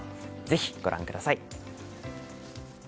ぜひご覧ください。